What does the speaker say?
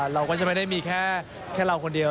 เราก็จะไม่ได้มีแค่เราคนเดียว